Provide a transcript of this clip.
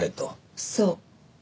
そう。